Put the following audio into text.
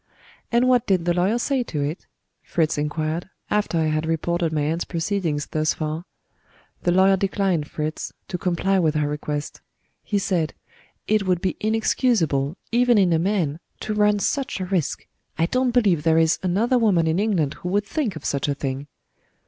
"And what did the lawyer say to it?" Fritz inquired, after I had reported my aunt's proceedings thus far. "The lawyer declined, Fritz, to comply with her request. He said, 'It would be inexcusable, even in a man, to run such a risk I don't believe there is another woman in England who would think of such a thing.'